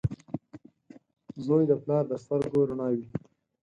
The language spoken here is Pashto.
• زوی د پلار د سترګو رڼا وي.